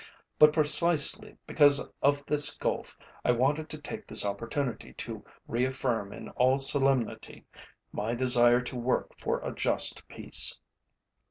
But precisely because of this gulf I wanted to take this opportunity to reaffirm in all solemnity my desire to work for a just peace.